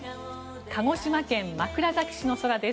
鹿児島県枕崎市の空です。